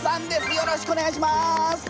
よろしくお願いします！